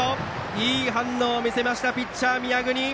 いい反応を見せましたピッチャーの宮國。